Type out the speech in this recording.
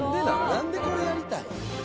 何でこれやりたい？